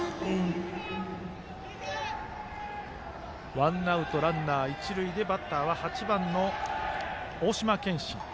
ワンアウトランナー、一塁でバッターは８番の大島健真。